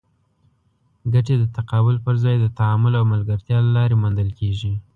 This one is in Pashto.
ګټې د تقابل پر ځای د تعامل او ملګرتیا له لارې موندل کېږي.